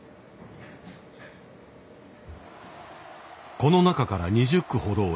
この中から２０句ほどを選び